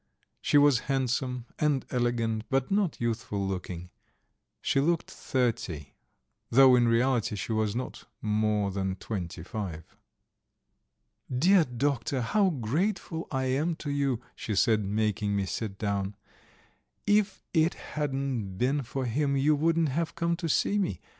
She was handsome and elegant, but not youthful looking; she looked thirty, though in reality she was not more than twenty five. "Dear Doctor, how grateful I am to you," she said, making me sit down. "If it hadn't been for him you wouldn't have come to see me.